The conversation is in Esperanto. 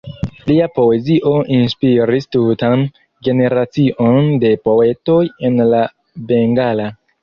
Lia poezio inspiris tutan generacion de poetoj en la bengala.